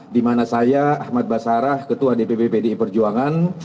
di mana saya ahmad basarah ketua dpp pdi perjuangan